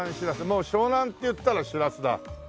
もう湘南っていったらしらすだ。